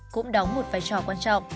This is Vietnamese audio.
cũng đóng một vai trò quan trọng